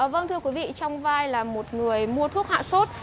vâng thưa quý vị trong vai là một người mua thuốc hạ sốt